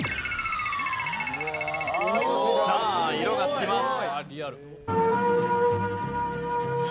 さあ色が付きます。